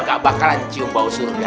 gak bakalan cium pau surga